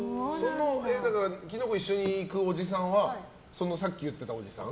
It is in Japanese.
キノコ一緒に行くおじさんはさっき言ってたおじさん？